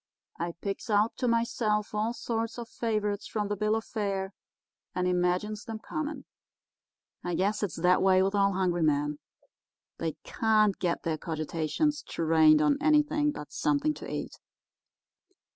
I picks out to myself all sorts of favourites from the bill of fare, and imagines them coming. I guess it's that way with all hungry men. They can't get their cogitations trained on anything but something to eat.